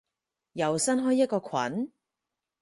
又新開一個群？